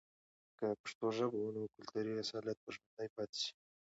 که پښتو ژبه وي، نو کلتوري اصالت به ژوندي پاتې سي.